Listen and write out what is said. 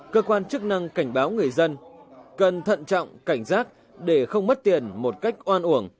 cơ quan chức năng cảnh báo người dân cần thận trọng cảnh giác để không mất tiền một cách oan uổng